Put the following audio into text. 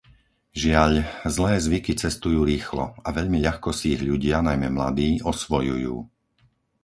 Žiaľ, zlé zvyky cestujú rýchlo a veľmi ľahko si ich ľudia, najmä mladí, osvojujú.